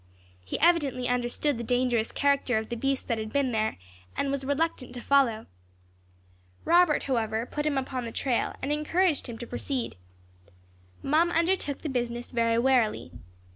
He evidently understood the dangerous character of the beast that had been there, and was reluctant to follow. Robert, however, put him upon the trail, and encouraged him to proceed. Mum undertook the business very warily.